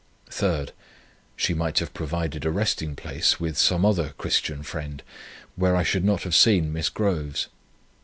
3rd, She might have provided a resting place with some other Christian friend, where I should not have seen Miss Groves.